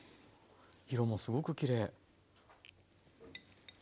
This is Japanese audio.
色もすごくきれい。